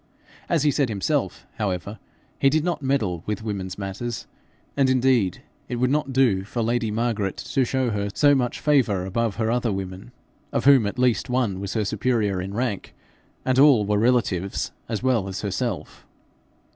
As he said himself, however, he did not meddle with women's matters, and indeed it would not do for lady Margaret to show her so much favour above her other women, of whom at least one was her superior in rank, and all were relatives as well as herself.